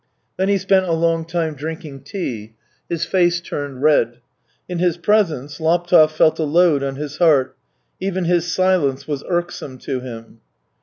Then he spent a long time drinking tea; his face turned red. In his presence Laptev felt a load on his heart ; even his silence was irksome to him.